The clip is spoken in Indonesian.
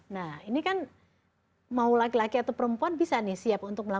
nah ini kan mau laki laki atau perempuan bisa nih siap untuk melakukan